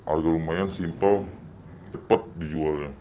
harga lumayan simpel cepat dijual